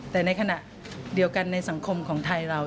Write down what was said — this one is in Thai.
แต่ในขณะเดียวกันในสังคมของไทยเรา